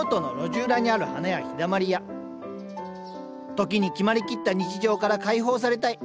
時に決まりきった日常から解放されたい。